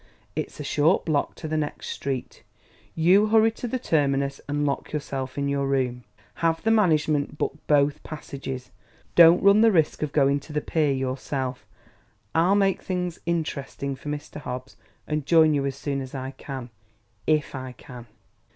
"It's a short block to the next street. You hurry to the Terminus and lock yourself in your room. Have the management book both passages; don't run the risk of going to the pier yourself. I'll make things interesting for Mr. Hobbs, and join you as soon as I can, if I can."